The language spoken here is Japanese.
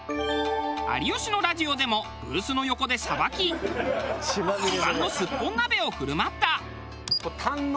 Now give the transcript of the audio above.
有吉のラジオでもブースの横でさばき自慢のスッポン鍋を振る舞った。